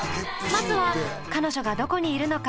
まずは彼女がどこにいるのか